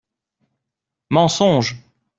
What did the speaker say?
Mensonge